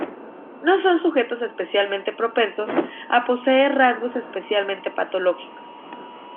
No son sujetos especialmente propensos a poseer rasgos especialmente patológicos.